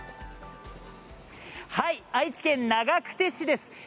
愛知県長久手市です。